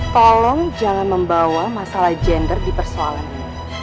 tolong jangan membawa masalah gender di persoalan ini